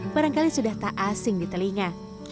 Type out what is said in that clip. barangkali sudah tak asing di telinga